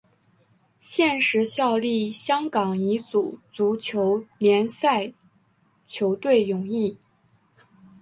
现时效力香港乙组足球联赛球队永义。